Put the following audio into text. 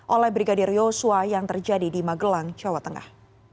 oleh brigadir yosua yang terjadi di magelang jawa tengah